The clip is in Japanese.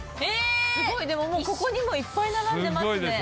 すごいここにもいっぱい並んでますね。